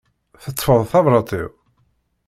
Teṭṭfeḍ tabrat-iw?